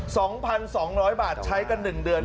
สองพันสองร้อยบาทใช้กันหนึ่งเดือน